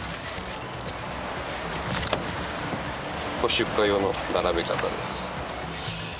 出荷用の並べ方です。